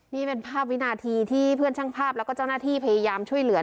นี่เป็นภาพวินาทีที่เพื่อนช่างภาพแล้วก็เจ้าหน้าที่พยายามช่วยเหลือ